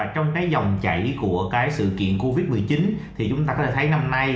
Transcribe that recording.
trong dòng chạy của sự kiện covid một mươi chín chúng ta có thể thấy năm nay